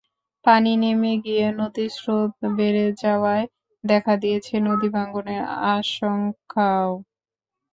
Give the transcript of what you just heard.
পানি নেমে গিয়ে নদীর স্রোত বেড়ে যাওয়ায় দেখা দিয়েছে নদীভাঙনের আশঙ্কাও।